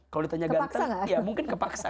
kalau ditanya ganteng ya mungkin kepaksaan